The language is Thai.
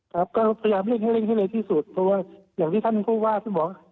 ครับก็พยายามเร่งให้เร่งให้เร็วที่สุดเพราะว่าอย่างที่ท่านผู้ว่าท่านบอก